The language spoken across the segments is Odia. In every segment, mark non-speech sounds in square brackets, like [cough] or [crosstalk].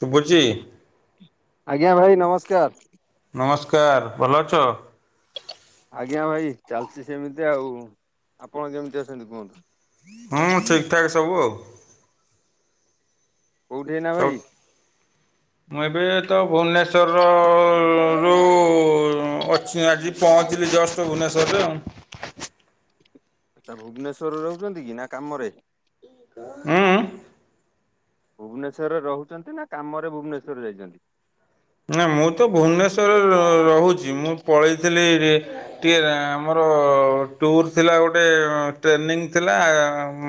ଶୁଭୁଚି ଆଜ୍ଞା ଭାଇ ନମସ୍କାର। ନମସ୍କାର ଭଲ ଅଛ ଆଜ୍ଞା ଭାଇ ଚାଲିଛି ସେମିତି ଆଉ ଆପଣ କେମିତି ଅଛନ୍ତି କୁହନ୍ତୁ ହଁ ଠିକ ଠାକ ସବୁ ଆଉ। କୋଉଠି ଏଇନା ସବୁ ଭାଇ? ମୁଁ ଏବେ ତ ଭୁବନେଶ୍ଵରର-ର-ଅ-ଅ-ଅ ରୁ-ଉ ଅଛି। ଆଜି ପହଞ୍ଚିଲି ଜଷ୍ଟ ଭୁବନେଶ୍ୱରରେ ଆଉ। ଆଛା, ଭୁବନେଶ୍ୱରରେ ରହୁଛନ୍ତି କି ନା କାମରେ? ଉଁ ଉଁ। ଭୁବନେଶ୍ଵରରେ ରହୁଛନ୍ତି? ନା କାମରେ ଭୁବନେଶ୍ୱର ଯାଇଛନ୍ତି? ନା ମୁଁ ତ ଭୁବନେଶ୍ୱରରେ ର-ରହୁଛି। ମୁଁ ପଳେଇଥିଲି ଟିକେ ଆମର ର-ଅ ଟୁର ଥିଲା। ଗୋଟେ ଟ୍ରେନିଂ ଥିଲା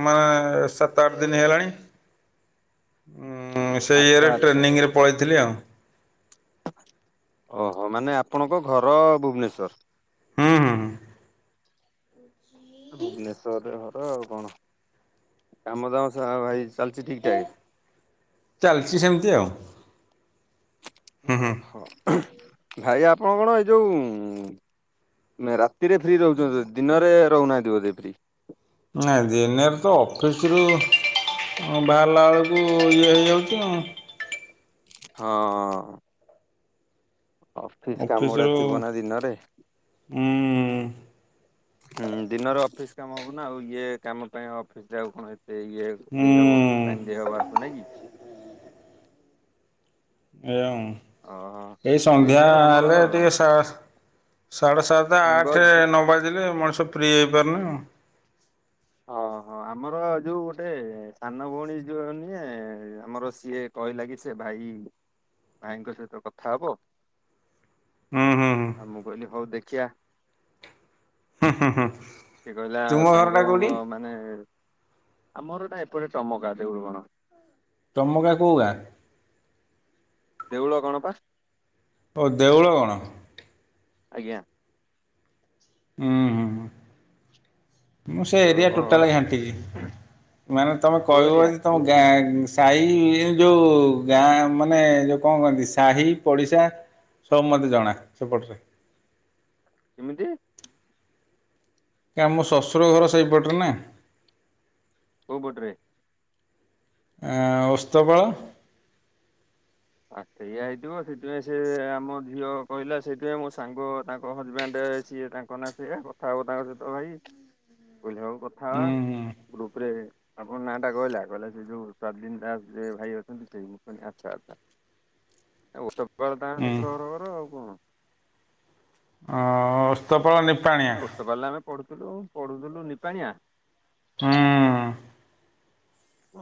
ମାନେ-ଏ ସାତ ଆଠ ଦି ହେଲାଣି। ଅଁ ସେଇ ଇଏ ଆଚ୍ଛା ରେ ଆଚ୍ଛା ଟ୍ରେନିଂ ପଳେଇଥିଲି ଆଉ। ଓହୋ! ମାନେ ଆପଣଙ୍କ ଘର ଭୁବନେଶ୍ଵର। ହଁ ହଁ ହଁ। ଭୁବନେଶ୍ୱରରେ ଘର ଆଉ କଣ? କାମ ଦାମ ସ ଭାଇ ଚାଲଛି ଠିକ୍ ଠାକେ। ଚାଲିଛି ସେମିତି ଆଉ। ହୁଁ ହୁଁ। ଓହୋ! ଭାଇ ଆପଣ କଣ ଏଇ ଯୋଉଁ ରାତିରେ ଫ୍ରି ରହୁଛନ୍ତି। ଦିନରେ ରହୁନାହାଁନ୍ତି ବୋଧେ ଫ୍ରି। ନା ଦିନେରେ ତ ଅଫିସ ରୁ ହଁ ବାହାରିଲା ଅଳକୁ ଇଏ ହେଇଯାଉଛି ଆଉ। ହଁ-ଅ-ଅଁ। ଅଫିସ କାମ ଗୁଡା ଅଫିସରୁ ଥିବ ନା ଦିନରେ। ଉଁ ହୁଁ, ଦିନର ଅଫିସ କାମ ହବନା। ଆଉ ଇଏ କାମ ପାଇଁ ଅଫିସ ଯାଉ କଣ ଏ ସେ ଇଏ ଉଁ ଦେଇହବ ଏଇଆ ଟାଇମ୍ ଦେଇହବ ଆକୁ ନାଇଁ କି? ହୁଁ, ଓହୋ ଏଇ ସନ୍ଧ୍ୟା ଯୋଉ ଆମର ହେଲେ ଟିକେ ସ ସାଢେ ସାତ ସାଙ୍ଗ ଆଠ ଯେ ନ ବାଜିଲେ, ମଣିଷ ଫ୍ରି ହେଇପାରୁନି ଆଉ। ହଁ। ହଁ, ଆମର ଯୋଉ ଗୋଟେ ସାନ ଭଉଣୀ ଯୋଉ ନିଏ, ଆମର ସିଏ କହିଲା କି ସେ ଭାଇ ଭାଇ ଭାଇଙ୍କ ସହିତ କଥା ହବ। ହୁଁ ହୁଁ ହୁଁ ଆଉ ମୁଁ କହିଲି ହଉ ଦେଖିଆ। ହୁଁ ହୁଁ ସିଏ କହିଲା ତୁମ ଘରଟା ସାଙ୍ଗ କୋଉଠି? ମାନେ ଆମର ଏଟା ଏପଟେ ଟମକା ଦେଉରୁଗଣ। ଟମକା କଉ ଗାଁ? ଦେଉଳଗଣ ପା ଓ ଦେଉଳଗଣ। ଆଜ୍ଞା। ଉଁ ହୁଁ ହୁଁ। ମୁଁ ସେ ଦେଉଳ ଏରିଆ କଣ ଘର ଟୋଟାଲ ଘାଣ୍ଟିକି। ମାନେ ତମେ କୋରିଆ କହିବଅଦି ତମ ଗାଁ ସାହି ଇଏ ଯୋଉଁ ଗାଁ ମାନେ ଯୋଉ କଣ କହନ୍ତି? ସାହି ପଡିଶା ସବୁ ମତେ ଜଣା ସେପଟରେ। କିମିତି? କା ମୋ ଶଶୁର ଘର ସେଇପଟରେ ନା। କଉ ପଟ୍ରେ? ଏଁ ଓସ୍ତବଳ! ଆ ସେଇଆ ହେଇଥିବ। ସେଥିପାଇଁ ସେ ଆମ ଝିଅ କହିଲା ସେଇଥିପାଇଁ ମୋ ସାଙ୍ଗ ତାଙ୍କ ହଜବେଣ୍ଡେ ସିଏ, ତାଙ୍କ ନାଁ ସେଇଆ। କଥା ହବ ତାଙ୍କ ସହିତ ଭାଇ। ଉଁ ହୁଁ ହୁ। କହିଲି ହଉ କଥା ହବା। ଗ୍ରୁପ ରେ ଆପଣ ନାଁଟା କହିଲା। କହିଲେ ସେ ଯୋଉ ସାବ୍ଲିନ ଦାସ ଯେ ଭାଇ ଅଛନ୍ତି। ସେଇ ମୁଁ କହିଲି, ଆଛା ଆଛା। ଓତ୍ପଳ ତାଙ୍କ ହୁଁ ଶଶୁର ଘର ଘର ଆଉ କଣ? ଅଁ-ଅ ଓସ୍ତୋପ ଓସ୍ତୋପାଲ୍ ରେ ଆମେ ପଢୁଥୁଲୁ ପଢୁଥୁଲୁ। ନିପାଣିଆ ହଁ।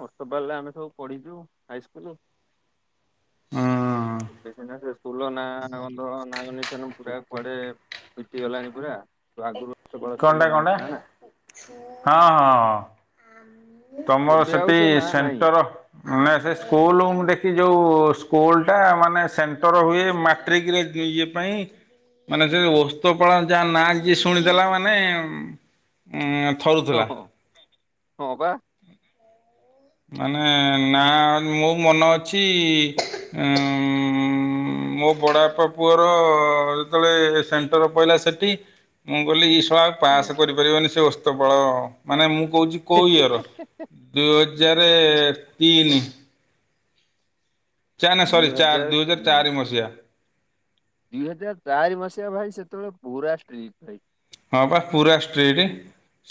ଅସ୍ତ ବାରିଲେ ଆମେ ସବୁ ପଢିଛୁ ହାଇ ସ୍କୁଲ। ହଁ। ସେ ସ୍କୁଲ ନା ନା କନ୍ତ ନିଛେ ନ ପୁର ପଡେ। ମିଟି ଗଲାଣି ପୁରା ତ ଆଗରୁ। ଓସ୍ତପାଳ ସ୍କୁଲ ନାଁ ଥିଲା ନା କଣ୍ଟା କଣ୍ଟାହଁ ହଁ। ତମର ଏବେ ଆଉ ସେଠି ସେ ନାଁ ନାହିଁ। ସେଣ୍ଟର ନା ସେ ସ୍କୁଲ ମୁ ଦେଖି ଯୋଉ ସ୍କୁଲ ଟା ମାନେ ସେଣ୍ଟର ହୁଏ ମାଟ୍ରିକରେ ଇଏ ପାଇଁ ମାନେ ସେ ଓସ୍ତପାଳ ଯାହା ନାଁ ଯିଏ ଶୁଣିଦେଲା ମାନେ ଉ ହଁ ଥରୁଥିଲା। ହଁ ହଁ ବା। ମାନେ ନା ମୋ ମନ ଅଛି ଉ ମୋ ବଡ଼ପା ପୁଅର ଯେତେବେଳେ ସେଣ୍ଟର ପହିଲା ସେଠି ମୁଁ ଗଲି ଇ ପାସ୍ ଆଜ୍ଞା କରିପାରିବନି ସେ ଓସ୍ତ ପାଳ ମାନେ ମୁଁ କହୁଛି କୋଉ ଇୟର ଦ ହଜାର ତିନି। ଚା ନା ଦି ସରି ଚାର ଦୁଇ ହଜାର ତିନି ଚାରି ମସିହା। ଦୁଇ ହଜାର ଚାରି ମସିହା ଭାଇ ସେତେବେଳେ ପୁରା ଷ୍ଟ୍ରିଟ ଭାଇ। ହଁ ବା ପୁରା ଷ୍ଟ୍ରେଟ୍।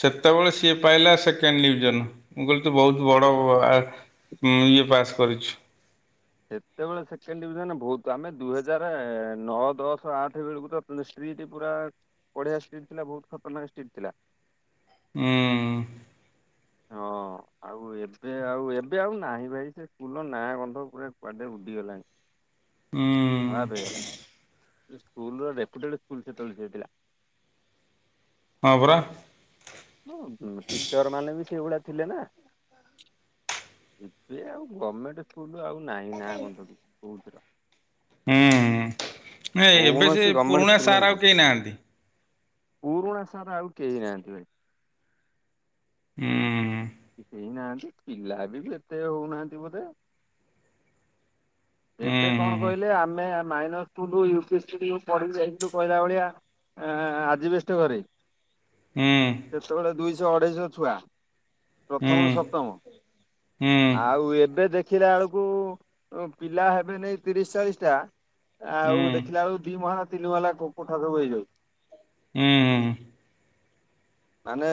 ସେତେବେଳେ ସିଏ ପାଇଲା ସେକେଣ୍ଡ ଡିଭିଜନ ମୁଁ କହିଲି ତ ବହୁତ ବଡ ଆ ଇଁ ଇଏ ପାସ କରିଛୁ। ସେତେବେଳେ ସେକେଣ୍ଡ ଡିଭିଜନ ବହୁତ ଆମେ ଦୁଇ ହଜାର ନଅ ଦଶ ଆଠ ବେଳକୁ ତ ଷ୍ଟ୍ରି ସ୍ ପୁରା ବଢିଆ ଷ୍ଟ୍ରିଟ୍ ଥିଲା ବହୁତ ଖତରନାକ ଷ୍ଟ୍ରିଟ୍ ଥିଲା। ଉଁ। ହଁ। ଆଉ ଏବେ ଆଉ ଏବେ ଆଉ ନାହିଁ ଭାଇ ସେ ସ୍କୁଲ ନାଁ ଗନ୍ଧ ପୁରା କୁଆଡେ ଉଡିଗଲାଣି। ଉଁ। ସେ ସ୍କୁଲ୍ ର ରେପୁଟେଡ୍ ସ୍କୁଲ ସେତେବେଳେ ଯାଇଥିଲା। ହଁ ପରା। ଟିଚର ମାନେ ବି ସେଇଭଳିଆ ଥିଲେ ନା। ଏବେ ଆଉ ଗମେଣ୍ଟେ ସ୍କୁଲ ଆଉ ନାହିଁ ନା ଗନ୍ଧ କୋଉଥିର। ହୁଁ ନାଇ ଏବେ ସେ କୌଣସି ଗଭର୍ଣ୍ଣମେଣ୍ଟ ପୁରୁଣା ସ୍କୁଲରେ ସାର୍ ନାହିଁ। ଆଉ କେହି ନାହାନ୍ତି। ପୁରୁଣା ସାର୍ ଆଉ କେହି ନାହାନ୍ତି ଭାଇ। ହୁଁ। କେହି ନାହାନ୍ତି ପିଲା ବି ଏତେ ହୋଉନାହାନ୍ତି ବୋଧେ। ହୁଁ ଏବେ ହୁଁ କଣ ହୁଁ କହିଲେ ଆମେ minor school U P school ପଢ଼ିକି ଯାଇ ଥିଲୁ କହିଲା ଭଳିଆ ଆଁ ଆଁ ଆଜିବେଷ୍ଟେ ଘରେ। ହୁଁ। ସେତେବେଳେ ଦୁଇସ ଅଢ଼େଇସ ଛୁଆ ହୁଁ ପ୍ରଥମ ହୁଁ ରୁ ସପ୍ତମ। ହୁଁ ହୁଁ ଆଉ ଏବେ ଦେଖିଲା ଆଳକୁ ପିଲା ହେବେନେଇ ତିରିଶ ଚାଳିଶ ଟା। ଆଉ ହୁଁ। ଦେଖିଲା ବେଳକୁ ଦି ମହଲା ତିନି ମହଲା କୋଠା ସବୁ ହେଇଯାଇଛି। ହୁଁ। ମାନେ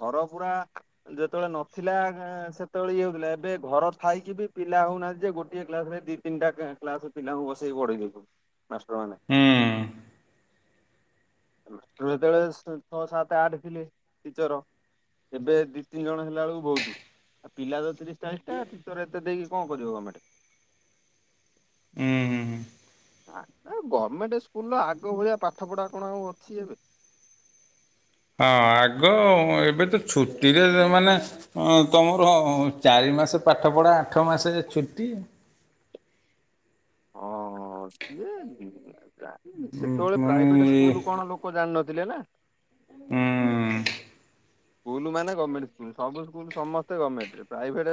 ଘର ପୁରା ଯେ ଯେତେବେଳେ ନଥିଲା ସେତେବେଳେ ଇଏ ହୋଉଥିଲା ଏବେ ଘର ଥାଇକି ବି ପିଲା ହୋଉନାହାନ୍ତି ଯେ ଗୋଟିଏ କ୍ଲାସ୍ ରେ ଦି ତି ତିନିଟା କ୍ଲାସ୍ ପିଲାଙ୍କୁ ବସେଇକି ପଢ଼େଇ ଦୋଉଛନ୍ତି ମାଷ୍ଟର ମାନେ। ହଁ। ସେତେବେଳେ ଛଅ ସାତ ଆଠେ ଥିଲେ ଟିଚର ଏବେ ଦି ତିନି ଜଣ ହେଲା ବେଳକୁ ବହୁତ୍ ଆଉ ପିଲା ତ ତିରିଶ ଚାଳିଶ ତା ଟିଚର ଏତେ ଦେଇକି କଣ କରିବ ଗମେଣ୍ଟେ। ହୁଁ ହୁଁ। ତା ପରେ ଗମେଣ୍ଟେ ସ୍କୁଲର ଆଗ ଭଳିଆ ପାଠ ପଢ଼ା କଣ ଆଉ ଅଛି ଏବେ। [inaudible] ହଁ ଆଗ ଏବେ ତ ଛୁଟିରେ ମାନେ ତମର ଚାରି ତିନି ମାସେ ପାଠ ପଢ଼ା ଆଠ ମାସେ ଛୁଟି। [unintelligible] ଉଁ ସେତେବେଳେ ପୁଣି ପ୍ରାଇଭେଟ୍ ହୁଁ ସ୍କୁଲ୍ କଣ ଲୋକ ଜାଣିନଥିଲେ ନା। ହୁଁ। ସ୍କୁଲ ମାନେ ଗମେଣ୍ଟେ ସ୍କୁଲ, ସବୁ ସ୍କୁଲ୍ ସମସ୍ତେ ଗମେଣ୍ଟେରେ ପ୍ରାଇଭେଟ୍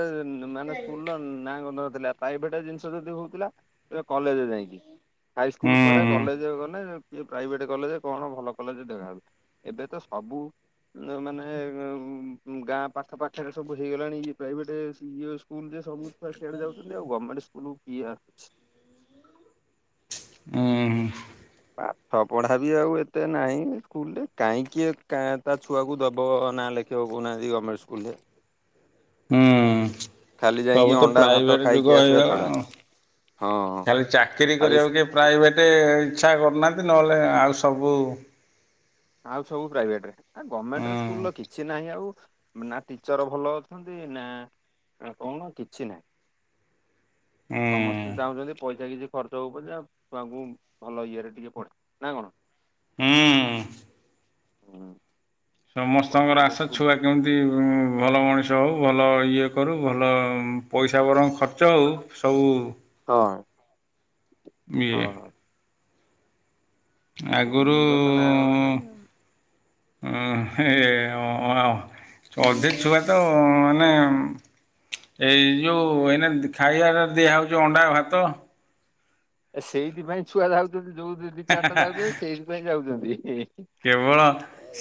ମାନେ ସ୍କୁଲ୍ ର ନା ଗନ୍ଧ ନଥିଲା, ପ୍ରାଇଭେଟ୍ ଜିନିଷ ଯଦି ହଉଥିଲା ସେଟା କଲେଜ୍ ଯାଇକି ହାଇସ୍ ହୁଁ ସ୍କୁଲ୍ ପରେ କଲେଜ ଗଲେ କି ପ୍ରାଇଭେଟ୍ କଲେଜ୍ କଣ ଭଲ କଲେଜ୍ ଦେଖାହେବ ଏବେ ତ ସବୁ ମାନେ ଏବେ ଗାଁ ପାଖ ପାଖେରେ ସବୁ ହେଇଗଲାଣି ଇଏ ପ୍ରାଇଭେଟ୍ ଇଏ ସ୍କୁଲ୍ ରେ ସବୁ ଛୁଆ ସିଆଡେ ଯାଉଛନ୍ତି, ଆଉ ଗମେଣ୍ଟେ ସ୍କୁଲ୍ କିଏ ଆସୁଛି। ହୁଁ। ପାଠ ପଢ଼ା ବି ଆଉ ଏତେ ନାହିଁ ସ୍କୁଲରେ କାହିଁକି ତା ଛୁଆକୁ ଦବ ନାଲେ ଲେଖେଇବ କହୁନାହାନ୍ତି ଗମେଣ୍ଟେ ସ୍କୁଲ ରେ। ହୁଁ ସବୁ ଯାଇକି ତ ଅଣ୍ଡା ଭାତ ପ୍ରାଇଭେଟ୍ ଖାଇକି ଯୁଗ ଆସିବା ହେଇଗଲା ଛଡା ଆଉ। ହଁ ଖାଲି ଚାକିରୀ ଖାଲି କରିବାକୁ କିଏ ପ୍ରାଇଭେଟ୍ ଇଚ୍ଛା କରୁନାହାନ୍ତି ନହେଲେ ଆଉ ସବୁ ଆଉ ସବୁ ପ୍ରାଇଭେଟ୍ ଆ ହୁଁ ଗମେଣ୍ଟେ ସ୍କୁଲ୍ ର କିଛି ନାହିଁ ଆଉ ନା ଟିଚର ଭଲ ଅଛନ୍ତି ନା କଣ କିଛି ନାହିଁ। ହୁଁ ସମସ୍ତେ ଚାହୁଁଛନ୍ତି ପଇସା କିଛି ଖର୍ଚ୍ଚ ହୋଉ ପଛେ ଆଉ ଛଆଙ୍କୁ ଭଲ ଇଏ ରେ ଟିକେ ପଢ଼େ ନା କଣ? ହୁଁ। [unintelligible] ସମସ୍ତଙ୍କର ଗଭର୍ଣ୍ଣମେଣ୍ଟ ଆଶା ସ୍କୁଲ ଛୁଆ ହଁ। କେମିତି ଭଲ ମଣିଷ ହଉ ଭଲ ଇଏ କରୁ ଭଲ ପଇସା ବରଂ ଖର୍ଚ୍ଚ ଆଉ ସବୁ ହଁ। ଇଏ ହଁ। ଆଗୁରୁ ସ୍କୁଲର ତ ନାଁ ଗନ୍ଧ ନାହିଁ ଆଉ। ହଁ ଏ ଆ ଆ ହଁ ସେ ଛୁଆ ତ ମାନେ ଏଇ ଯୋଉ ଏୟିନା, ଖାଇବା ଦିଆ ହଉଛି ଅଣ୍ଡା, ଭାତ ଏ ସେଇଥିପାଇଁ ଛୁଆ ଯାଉଛନ୍ତି, ଯୋଉ ଦି ଦି ଚାରିଟା ଯାଉଛନ୍ତି ସେଇଥିପାଇଁ ଯାଉଛନ୍ତି। କେବଳ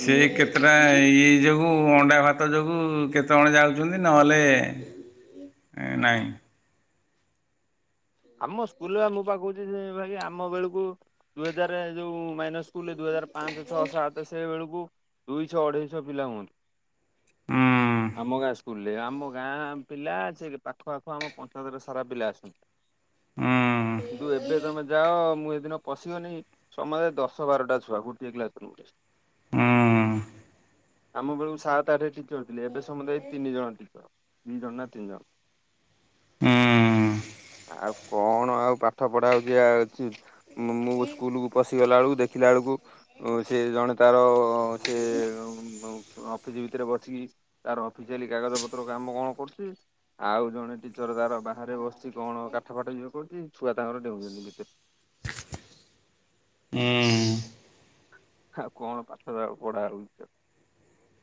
ସେ କେତେଟା ଇଏ ଯୋଉ ଅଣ୍ଡା, ଭାତ ଯୋଗୁଁ, କେତେ ଜଣ ଯାଉଛନ୍ତି ନହେଲେ ଏ ନାଇଁ ଆମ ସ୍କୁଲ ବା ମୁଁ ପା କହୁଛି ସେ ଭାଇ ଆମ ବେଳକୁ ଦୁଇ ହଜାର ଯୋଉ ମାଇନଷ ସ୍କୁ ଦୁଇ ହଜାର ପାଞ୍ଚ ଛଅ ସାତ ସେଇ ବେଳକୁ ଦୁଇଶଛଅ, ଅଢେଇଶହ ପିଲା ହୁଅନ୍ତି ହୁଁ ଆମ ଗାଁ ଆସ ଆମ ଗାଁ ପିଲା, ସେ ପାଖ ଆଖ ଆମ ପଞ୍ଚାୟତରେ ସାରା ପିଲା ଆସନ୍ତି। ହୁଁ ତୁ ଏବେ ତମେ ଯାଅ ମୁଁ ଦିନ ପଶିବନି ସମୟ ଦଶ ବାରଟା ଛୁଆ ଗୋଟିଏ ଗ୍ଲାସ ର ଗୋଟେ ହୁଁ। ଆମ ବେଳକୁ ସାତ, ଆଠ ଟିଚର ଥିଲେ, ଏବେ ସମସ୍ତେ ଏଇ ତିନି ଜଣ ଟିଚର, ଦି ଜଣନା ତିନି ଜଣ ହୁଁ। ଆଉ କଣ ଆଉ ପାଠ ପଢାଉଛି, ମୁଁ ସ୍କୁଲକୁ ପଶି ଗଲା ବେଳକୁ ଦେଖିଲା ବଳକୁ ସେ ଜଣେ ତାର, ସେ ଅଫିସ ଭିତରେ ବସିକି ତାର ଅଫିସଆଲି କାଗଜ ପତ୍ର କାମ କଣ କରୁଛି, ଆଉ ଜଣେ ଟିଚର ତାର ବାହାରେ ବସିଛି କଣ ପାଠ ଫାଠ କରୁଛି, ଛୁଆ ତାଙ୍କର ଡେଉଛନ୍ତି ଭିତରେ ହୁଁ ଆଉ କଣ ପାଠରେ ପଢା ହଉଛି,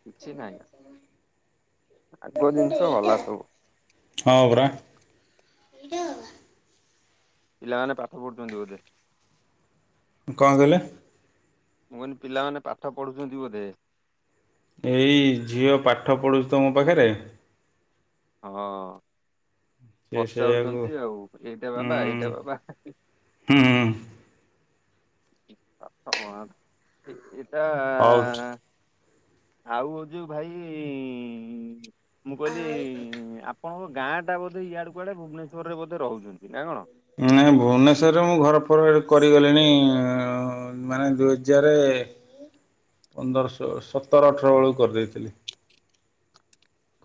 କିଛି ନାହିଁ ଆଉ। ଆଗ ଜିନିଷ ଗଲା ସବୁ। ହଁ ପରା। ପିଲାମାନେ ପାଠ ପଢୁଛନ୍ତି ବୋଧେ। କଣ କହିଲେ? ମୁଁ କହିଲି ପିଲାମାନେ ପାଠ ପଢୁଛନ୍ତି ବୋଧେ। ଏଇ ଝିଅ ପାଠ ପଢ଼ୁଛି ତ ମୋ ପାଖରେ। ହଁ। ସେ ସେଇଆକୁ ପଚାରୁଛନ୍ତି ଆଉ, ଏଇଟା ହୁଁ ବାବା ଏଇଟା ବାବା। ହୁଁ ପାଠ ପଢ଼ାନ୍ତୁ ଏ-ଏ। ହଉଛି। ଆଉ ହ ଯଉ ଭାଇ ମୁଁ କହିଲି ଆ ପଣଙ୍କ ଗାଁଟା ବୋଧେ ଏଆଡ଼େ କୁଆଡ଼େ ଭୁବନେଶ୍ୱର ରେ ବୋଧେ ରହୁଛନ୍ତି ନା କଣ? ନାଇଁ ଭୁବନେଶ୍ୱରରେ ମୁଁ ଘର ଫର ମୁଁ କରିଗଲିଣି ମାନେ ଦୁଇ ହଜାରେ ଏ ପନ୍ଦର, ସୋ, ସତର, ଅଠର ବେଳୁ କରିଦେଇଥିଲି।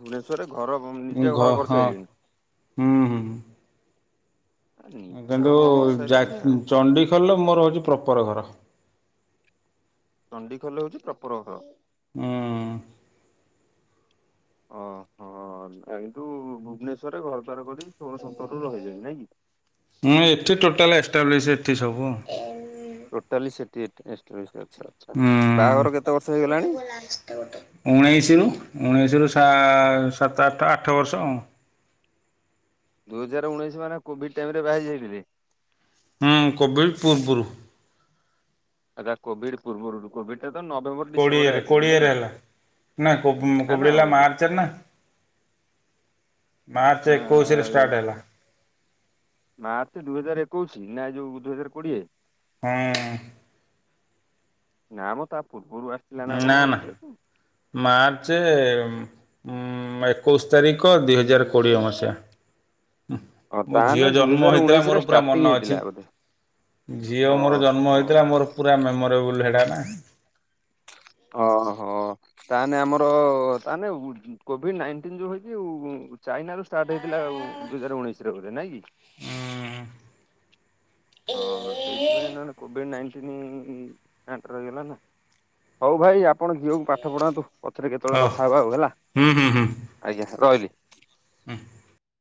ଭୁବନେଶ୍ଵରରେ ଘର ଗୁମ୍ ନିଜେ ଘର ଘ ହଁ କରିସାରିଲେଣିି? ହୁଁ ହୁଁ କିନ୍ତୁ ଯା କରିସାରିଲେଣି ଆଉ କଣ? ଚଣ୍ଡିଖୋଲ ମୋର ହୋଉଛି ପ୍ରପର ଘର। ଚଣ୍ଡିଖୋଲ ହୋଉଛି ପ୍ରପର ଘର? ହଁ। ଓହୋ। ହଁ ନା କିନ୍ତୁ ଭୁବନେଶ୍ଵରରେ ଘର ଦ୍ୱାର କରି ସୋହଳ ସତରରୁ ରହିଲେଣି ନାଇଁ କି? ହୁଁ ଏଠି ଟୋଟାଲ ଏସଷ୍ଟାବ୍ଲିସ ଏଠି ସବୁ। ଟୋଟାଲି ସେଠି ଏଠି ଏସଷ୍ଟାବ୍ଲିସ ଆଚ୍ଛା ଆଚ୍ଛା, ବାହାଘର କେତେ ବର୍ଷ ହେଇଗଲାଣି? ଉଣେଇଶିରୁ ଉଣେଇଶିରୁ ସା ସାତ ଆଠ ଆଠ ବର୍ଷ ଉଁ। ଦୁଇ ହଜାର ଉଣେଇଶି ମାନେ କୋଭିଡ୍ ଟାଇମ୍ ରେ ବାହାହେଇ ଯାଇଥିଲେ? ହୁଁ କୋଭିଡ୍ ପୂର୍ବୁରୁ। ଆଚ୍ଛା କୋଭିଡ୍ ପୂର୍ବରୁ, କୋଭିଡ୍ ଟା ତ ନଭେମ୍ବର୍ ଡିସେମ୍ବର୍ କୋଡ଼ିଏରେ ଆଇଥିଲା ନାଇଁ କୋଡ଼ିଏରେ କି? ହେଲା ନା କୋବ୍ ନା ନା କୋଭିଡ୍ ଆଁ, ହେଲା ମାର୍ଚ୍ଚ ରେ ନା। ମାର୍ଚ୍ଚ ଏକୋଉଶିରେ ଷ୍ଟାର୍ଟ ହେଲା। ମାର୍ଚ୍ଚ ଦୁଇ ହଜାର ଏକୋଉଶି ନା ଏଇ ଯୋଉ ଦୁଇ ହଜାର କୋଡିଏ। ହଁ। ନା ମ ତାପ୍ ନା ନା। ମାର୍ଚ୍ଚ ଏକୋଉଶ୍ ତାରିଖ ଦୁଇ ହଜାର କୋଡ଼ିଏ ମସିହା। ହଁ ମୋ ତାହେଲେ ଝିଅ ଦୁଇ ଜନ୍ମ ହଜାର ହେଇଥିଲା ଉଣେଇଶିରେ ମୋର ପୁରା ଷ୍ଟାର୍ଟିଂ ମନ ହେଇଥିଲା ଅଛି। ବୋଧେ। ଝିଅ ମୋର ଜନ୍ମ ଓହୋ। ହେଇଥିଲା ମୋର ପୁରା ମେମୋରେବୁଲ ହେଡା ନା। ଅ ହ ତାନେ ଆମର ତାନେ କୋଭିଡ୍ ନାଇନ୍ ଟିନ୍ ଯୋଉ ହେଇଛି ଉ ଚାଇନାରୁ ଷ୍ଟାର୍ଟ ହେଇଥିଲା ଉଁ ଦୁଇ ହଜାର ଉଣେଇଶିରେ ବୋଧେ ନାଇଁ କି? ଉଁ ହୁଁ। ହଁ ସେଇଥିପାଇଁ ନହେଲେ କୋଭିଡ୍ ନାଇନ୍ ଟିନ୍ ଏଣ୍ଟର ହେଇଗଲା ନା। ହୋଉ ଭାଇ ଆପଣ ଝିଅକୁ ପାଠ ପଢାନ୍ତୁ। ପଛରେ କେତେବେଳେ ହଉ କଥା ହେବା ଆଉ ହେଲା ହୁଁ ହୁଁ ହୁଁ ଆଜ୍ଞା ରହିଲି।